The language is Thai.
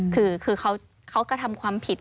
คือเขากระทำความผิด